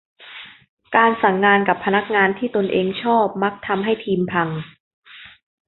การสั่งงานกับพนักงานที่ตนเองชอบมักทำให้ทีมพัง